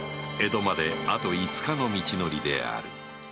江戸まであと五日の道のりである